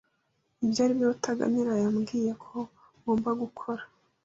Ibyo aribyo Rutaganira yambwiye ko ngomba gukora.